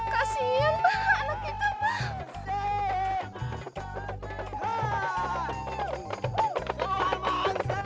kasih napas buatan